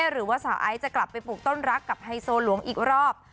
หรือว่าสาวไอซ์จะกลับไปปลูกต้นรักกับไฮโซหลวงอีกรอบ